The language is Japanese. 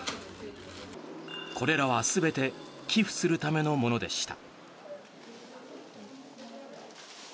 これらは全て寄付するためのものでした。